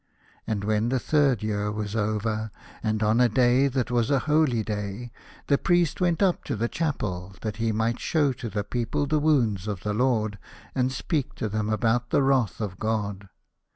And when the third year was over, and on a day that was a holy day, the Priest went up to the chapel, that he might show to the people the wounds of the Lord, and speak to them about the wrath of God.